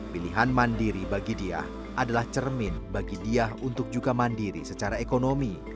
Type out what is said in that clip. pilihan mandiri bagi dia adalah cermin bagi dia untuk juga mandiri secara ekonomi